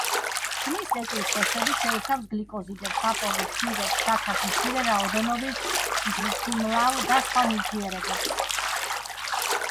ფშნის ეკლის ფესვები შეიცავს გლიკოზიდებს, საპონინს, ფირებს, შაქარს, მცირე რაოდენობით მთრიმლავ და სხვა ნივთიერებებს.